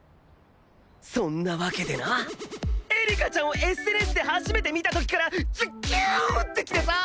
そんなわけでなエリカちゃんをＳＮＳで初めて見た時からズキューンってきてさ！